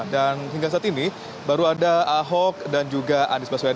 dan hingga saat ini baru ada ahok dan juga andis baswena